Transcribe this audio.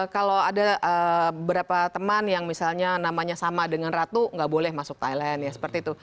kalau ada beberapa teman yang misalnya namanya sama dengan ratu nggak boleh masuk thailand ya seperti itu